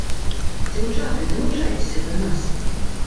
Дзяўчаты, далучайцеся да нас.